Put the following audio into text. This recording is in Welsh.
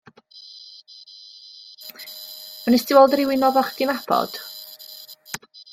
Wnest ti weld rywun odda chdi'n nabod?